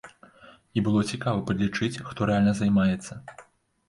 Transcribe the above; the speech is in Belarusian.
І было цікава падлічыць, хто рэальна займаецца.